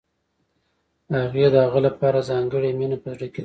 هغې د هغه لپاره ځانګړې مینه په زړه کې لرله